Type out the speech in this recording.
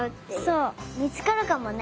そうみつかるかもね。